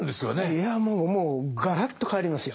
いやもうもうガラッと変わりますよ。